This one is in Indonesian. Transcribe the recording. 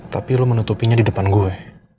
tapi lo menutupinya di depan gue